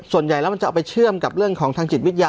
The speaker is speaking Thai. ส่วนใหญ่แล้วมันจะเอาไปเชื่อมกับเรื่องของทางจิตวิทยา